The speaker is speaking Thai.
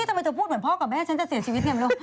ทำไมเธอพูดเหมือนพ่อกับแม่ฉันจะเสียชีวิตไงไม่รู้